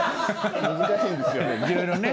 難しいんですよ。